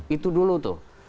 itu dulu tuh